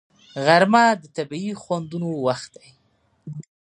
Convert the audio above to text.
غرمه د طبیعي خوندونو وخت دی